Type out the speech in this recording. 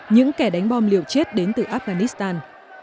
những kẻ đánh bom liều chết đến từ afghanistan